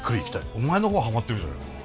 お前の方がハマってるじゃねえか。